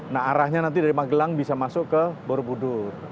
nah arahnya nanti dari magelang bisa masuk ke borobudur